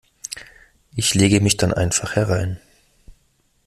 Ich lege mich dann einfach herein.